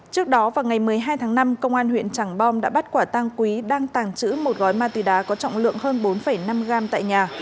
trước đó vào ngày một mươi hai tháng năm công an huyện trảng bom đã bắt quả tăng quý đang tàng trữ một gói ma túy đá có trọng lượng hơn bốn năm gram tại nhà